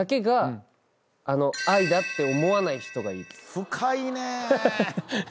深いねぇ。